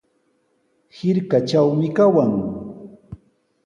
Hirkatrawmi kawan.